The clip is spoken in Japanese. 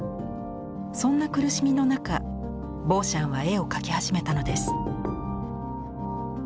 そんな苦しみの中ボーシャンは絵を描き始めたのです。